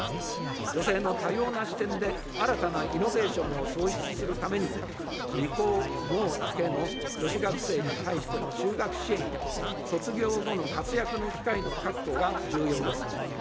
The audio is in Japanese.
女性の多様な視点で新たなイノベーションを創出するためにも、理工農系の女子学生に対しての修学支援や、卒業後の活躍の機会の確保が重要です。